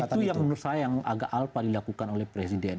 itu yang menurut saya yang agak alpa dilakukan oleh presiden